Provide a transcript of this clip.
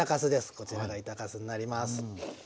こちらが板かすになります。